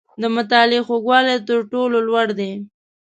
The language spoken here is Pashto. • د مطالعې خوږوالی، تر ټولو لوړ دی.